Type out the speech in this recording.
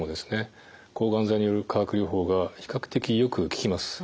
抗がん剤による化学療法が比較的よく効きます。